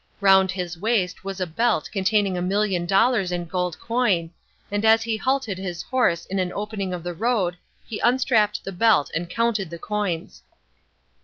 Round his waist was a belt containing a million dollars in gold coin, and as he halted his horse in an opening of the road he unstrapped the belt and counted the coins.